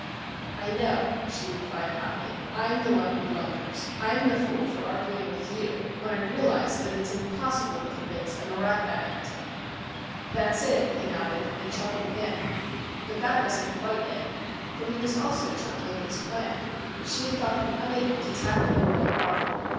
"I know," she replied hotly. "I'm the one who blunders. I'm the fool, for arguing with you, when I realize that it's impossible to convince a marak addict." "That's it," he nodded, and chuckled again. But that wasn't quite it. For he was also chuckling at his plan. She had thought him unable to tackle a real problem.